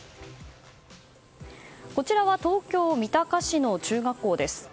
こちらは東京・三鷹市の中学校です。